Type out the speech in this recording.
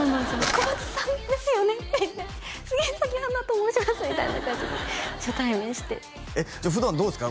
「小松さんですよね？」って言って「杉咲花と申します」みたいな感じで初対面してえじゃ普段どうですか？